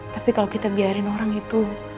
tapi kalau kita biarin orang itu